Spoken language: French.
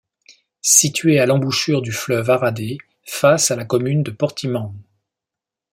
Située à l'embouchure du fleuve Arade face à la commune de Portimão.